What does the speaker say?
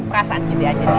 perasaan gitu aja deh